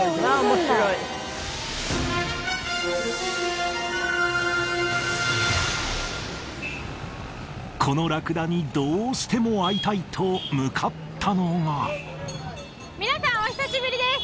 面白いこのラクダにどうしても会いたいと向かったのが皆さんお久しぶりです